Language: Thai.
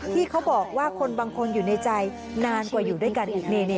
ที่เขาบอกว่าคนบางคนอยู่ในใจนานกว่าอยู่ด้วยกันอีก